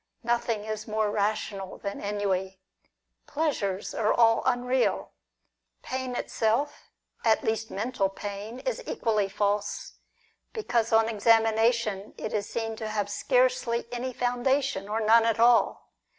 Nothing is more rational than ennui.^ Pleasures are all unreal. Pain itself, at least mental pain, is equally false, because on examination it is seen to have scarcely any founda tion, or none at all.